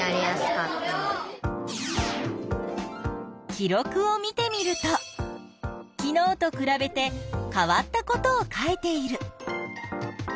記録を見てみると昨日とくらべて変わったことを書いている。